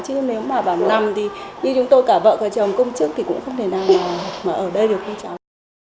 chứ nếu mà bảm nằm thì như chúng tôi cả vợ cả chồng công chức thì cũng không thể nào mà ở đây được với cháu